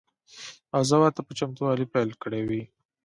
او ځواب ته په چتموالي پیل کړی وي.